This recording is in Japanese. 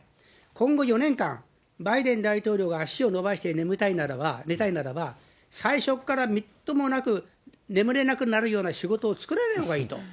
今後４年間、バイデン大統領が足を伸ばして寝たいならば、最初っからみっともなく眠れなくなるような仕事を作らないほうがいいと。